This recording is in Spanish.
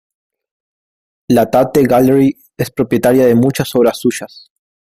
La Tate Gallery es propietaria de muchas obras suyas.